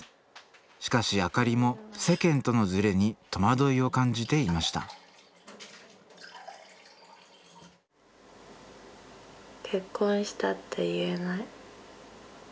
しかし明里も世間とのズレに戸惑いを感じていました結婚したって言えない。